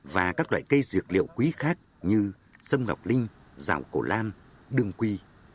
và các loại cây dược liệu quý khác như sông ngọc linh rào cổ lan đường quy